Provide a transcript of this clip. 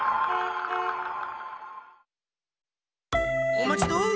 おまちどお！